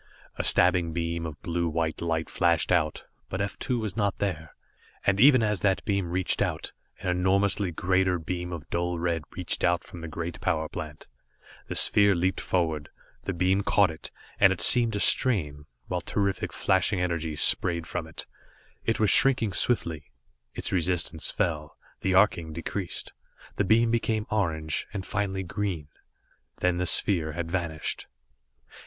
A stabbing beam of blue white light flashed out, but F 2 was not there, and even as that beam reached out, an enormously greater beam of dull red reached out from the great power plant. The sphere leaped forward the beam caught it, and it seemed to strain, while terrific flashing energies sprayed from it. It was shrinking swiftly. Its resistance fell, the arcing decreased; the beam became orange and finally green. Then the sphere had vanished.